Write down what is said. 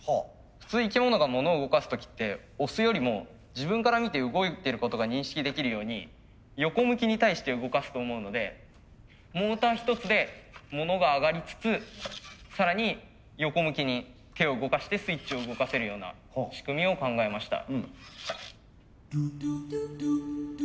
普通生き物がものを動かす時って押すよりも自分から見て動いてることが認識できるように横向きに対して動かすと思うのでモーター一つでものが上がりつつ更に横向きに手を動かしてスイッチを動かせるような仕組みを考えました。